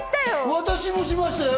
私もしましたよ。